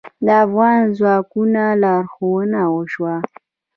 د افغان ځواکونو لارښوونه وشوه.